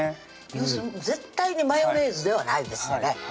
要するに絶対にマヨネーズではないですよね